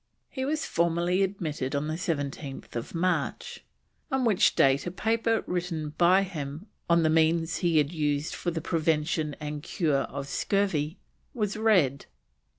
He was formally admitted on 17th March, on which date a paper written by him, on the means he had used for the prevention and cure of scurvy, was read.